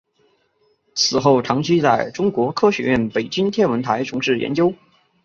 此后长期在中国科学院北京天文台从事研究。